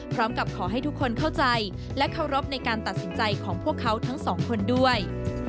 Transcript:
พร้อมกับขอให้ทุกคนเข้าใจและเคารพในการตัดสินใจของพวกเขาทั้งสองคนด้วย